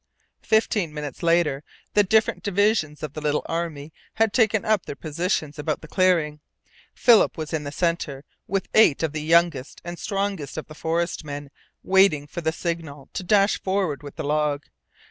Fifteen minutes later the different divisions of the little army had taken up their positions about the clearing. Philip was in the centre, with eight of the youngest and strongest of the forest men waiting for the signal to dash forward with the log.